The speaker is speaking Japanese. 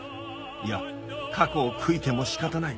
いや過去を悔いても仕方ない